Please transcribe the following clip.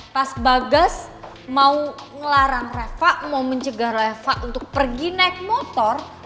pas bagas mau ngelarang reva mau mencegah reva untuk pergi naik motor